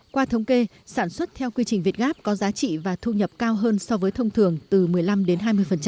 qua thống kê sản xuất theo quy trình việt gáp có giá trị và thu nhập cao hơn so với thông thường từ một mươi năm đến hai mươi